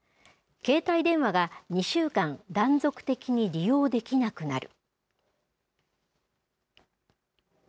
携帯電話が２週間、断続的に利用できなくなる。